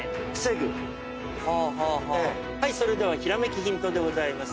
それではひらめきヒントでございます。